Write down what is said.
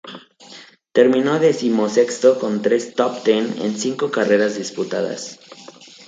Terminó decimosexto con tres "top ten" en cinco carreras disputadas.